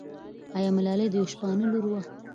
آیا ملالۍ د یوه شپانه لور وه؟